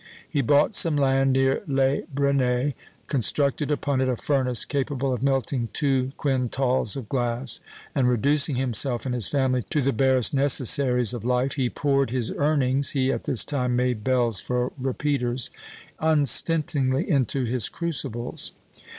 He bought some land near Les Brenets, constructed upon it a furnace capable of melting two quintals of glass, and reducing himself and his family to the barest necessaries of life, he poured his earnings (he at this time made bells for repeaters) unstintingly into his crucibles.